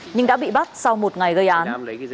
nhưng đã bị bắt sau một ngày gây án